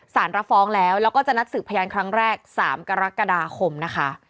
รับฟ้องแล้วแล้วก็จะนัดสืบพยานครั้งแรก๓กรกฎาคมนะคะ